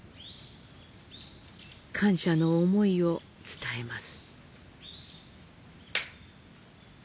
感謝の思いを伝えます。